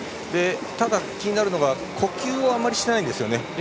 ただ気になるのが呼吸をあまりしていないんですね。